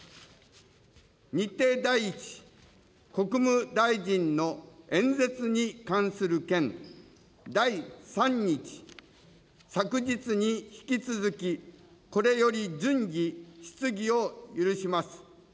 日程第１、国務大臣の演説に関する件、第３日、昨日に引き続き、これより順次、質疑を許します。